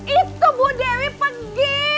itu bu dewi pergi